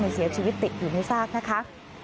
เสียชีวิตติดอยู่ในซากนะคะ